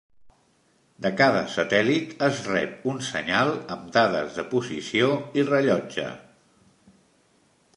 De cada satèl·lit es rep un senyal amb dades de posició i rellotge.